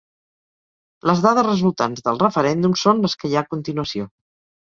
Les dades resultants del referèndum són les que hi ha a continuació.